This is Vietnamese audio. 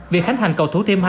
việc khánh hành cầu thủ thiêm hai